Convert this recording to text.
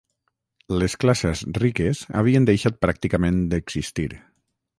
Les classes riques havien deixat pràcticament d'existir.